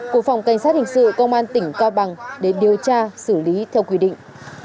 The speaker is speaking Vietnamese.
của phòng cảnh sát hình sự công an tỉnh cao bằng để điều tra xử lý theo quy định